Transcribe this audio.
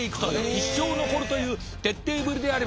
一生残るという徹底ぶりであります。